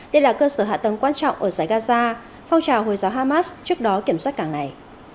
đây là cơ sở hạ tầng quan trọng ở giải gaza phong trào hồi giáo hamas trước đó kiểm soát cảng này